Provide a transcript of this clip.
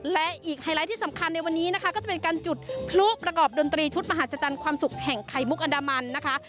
และอีกไฮไลท์ที่สำคัญในวันนี้นะคะก็จะเป็นการจุดพลุประกอบดนตรีชุดมหาศจรรย์ความสุขแห่งไข่มุกอันดามันนะคะ